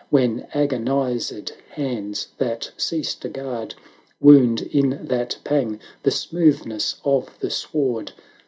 When agonised hands that cease to guard, Wound in that pang the smoothness of the sward.